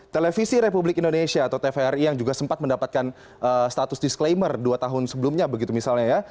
televisi republik indonesia atau tvri yang juga sempat mendapatkan status disclaimer dua tahun sebelumnya begitu misalnya ya